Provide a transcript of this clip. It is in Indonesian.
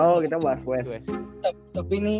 oh kita bahas west